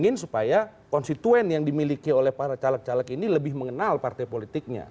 ingin supaya konstituen yang dimiliki oleh para caleg caleg ini lebih mengenal partai politiknya